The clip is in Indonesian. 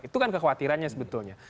itu kan kekhawatirannya sebetulnya